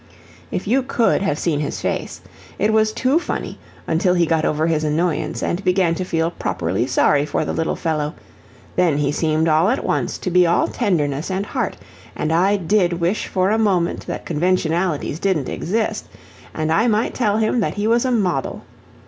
If you COULD have seen his face! it was too funny, until he got over his annoyance, and began to feel properly sorry for the little fellow then he seemed all at once to be all tenderness and heart, and I DID wish for a moment that conventionalities didn't exist, and I might tell him that he was a model.